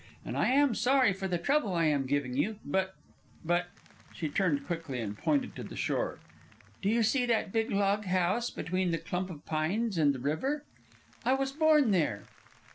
And I am sorry for the trouble I am giving you, but but " She turned quickly and pointed to the shore. "Do you see that big log house? Between the clump of pines and the river? I was born there."